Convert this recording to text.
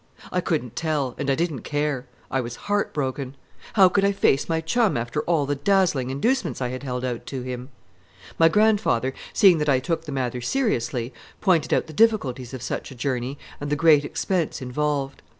I couldn't tell, and I didn't care. I was heart broken. How could I face my chum after all the dazzling inducements I had held out to him? My grandfather, seeing that I took the matter seriously, pointed out the difficulties of such a journey and the great expense involved.